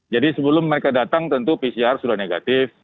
jadi sebelum mereka datang tentu pcr sudah negatif